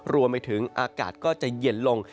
รวมไปถึงอากาศก็จะเย็นลง